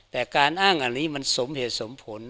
แต่การอ้างอันนี้มันสมเหตุสมผล